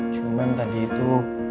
cuman tadi itu